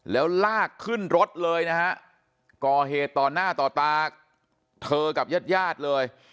แล้วลากขึ้นรถเลยนะฮะก่อเหตุต่อหน้าต่อตาเธอกับญาติญาติเลย